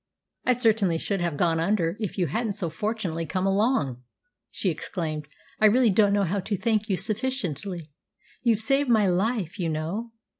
"I certainly should have gone under if you hadn't so fortunately come along!" she exclaimed. "I really don't know how to thank you sufficiently. You've actually saved my life, you know!